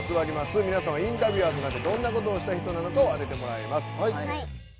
みなさんはインタビュアーとなってどんなことをした人なのかを当ててもらいます。